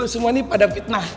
lu semua nih pada fitnah